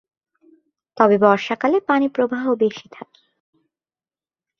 তবে বর্ষাকালে পানি প্রবাহ বেশি থাকে।